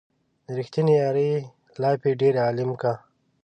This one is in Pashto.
د ريښتينې يارۍ لاپې ډېر عالم کا